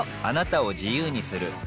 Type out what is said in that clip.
あなたを自由にする